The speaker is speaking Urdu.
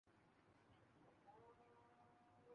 پہلے بیٹری سوڈیم